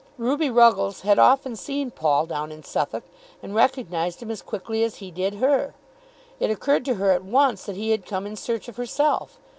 Ruby Ruggles had often seen Paul down in Suffolk, and recognised him as quickly as he did her. It occurred to her at once that he had come in search of herself.